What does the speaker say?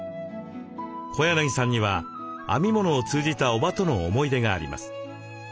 小柳さんには編み物を通じた伯母との思い出があります。